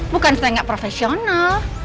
bukan saya gak profesional